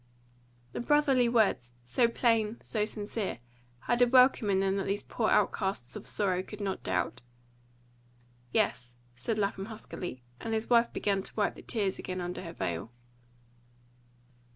The brotherly words, so plain, so sincere, had a welcome in them that these poor outcasts of sorrow could not doubt. "Yes," said Lapham huskily, and his wife began to wipe the tears again under her veil.